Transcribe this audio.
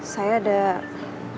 saya permisi bu